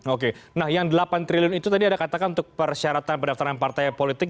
oke nah yang delapan triliun itu tadi ada katakan untuk persyaratan pendaftaran partai politik